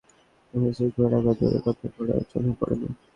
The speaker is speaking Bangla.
কারণ এখানে আগে কয়েকবার এসেছি, ঘোড়াশাল দূরের কথা, ঘোড়াও চোখে পড়েনি।